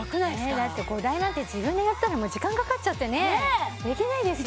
ねえだって５台なんて自分でやったら時間かかってできないですよ